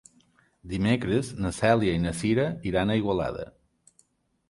Dimecres na Cèlia i na Cira iran a Igualada.